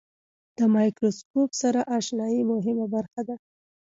د مایکروسکوپ سره آشنایي مهمه برخه ده.